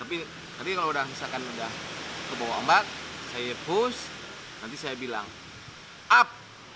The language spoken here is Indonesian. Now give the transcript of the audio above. tapi nanti kalau sudah kebawah ombak saya push nanti saya bilang up